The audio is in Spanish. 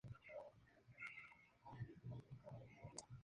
En España tomó el título de "La guarida del Gusano Blanco".